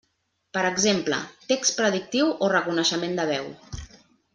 Per exemple, text predictiu o reconeixement de veu.